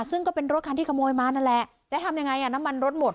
ซึ่งก็เป็นรถคันที่ขโมยมานั่นแหละแล้วทำยังไงอ่ะน้ำมันรถหมด